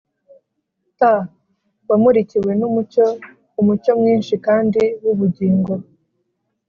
t wamurikiwe n’umucyo, umucyo mwinshi kandi w’ubugingo